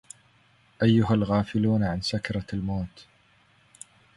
أيها الغافلون عن سكرة الموت